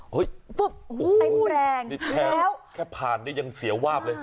เฮ้ยฟุ๊บไอ้ผู้แรงแล้วแค่ผ่านเนี่ยยังเสียวาบเลย